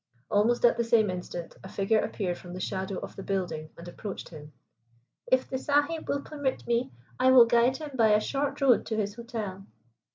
Almost at the same instant a figure appeared from the shadow of the building and approached him. "If the Sahib will permit me, I will guide him by a short road to his hotel."